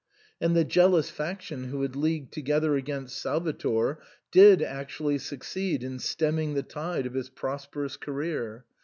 And the jealous faction who had leagued together against Salvator did actually succeed in stemming the tide of his prosperous career.